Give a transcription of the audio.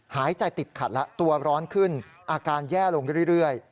หายใจติดขัดแล้วตัวร้อนขึ้นอาการแย่ลงเรื่อย